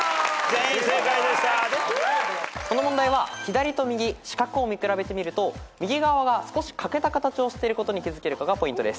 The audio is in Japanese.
この問題は左と右四角を見比べてみると右側が少し欠けた形をしていることに気付けるかがポイントです。